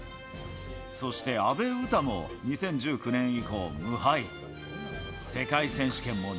そして阿部詩も、２０１９年以降、無敗。